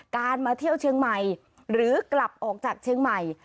มาเที่ยวเชียงใหม่หรือกลับออกจากเชียงใหม่